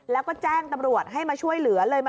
แล้วก็แจ้งตำรวจให้มาช่วยเหลือเลย